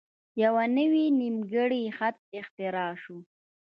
یوه نوی نیمګړی خط اختراع شو.